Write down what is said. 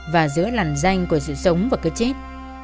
và giữa làn danh của sự sống và cái chết